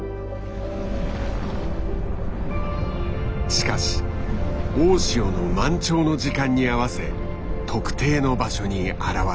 しかし大潮の満潮の時間に合わせ特定の場所に現れる。